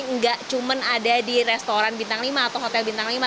nggak cuma ada di restoran bintang lima atau hotel bintang lima